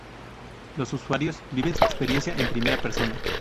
Los usuarios viven su experiencia en primera persona.